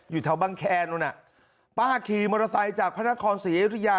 อยู่แถวบังแคนนู้นน่ะป้าขี่มอเตอร์ไซค์จากพระนครศรีอยุธยา